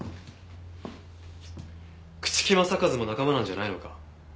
朽木政一も仲間なんじゃないのか？